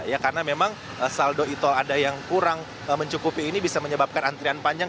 ya karena memang saldo e tol ada yang kurang mencukupi ini bisa menyebabkan antrian panjang